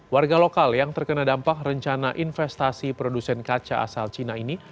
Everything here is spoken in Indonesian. warga lokal yang terkena dampak rencana investasi produsen kaca asal cina ini